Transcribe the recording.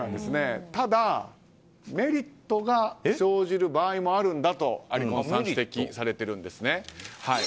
ただ、メリットが生じる場合もあるんだとありこんさん指摘されているんです。